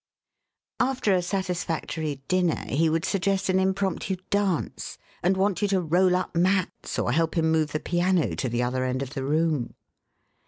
After a satisfactory dinner, he would suggest an impromptu dance, and want you to roll up mats, or help him move the piano to the other end of the room.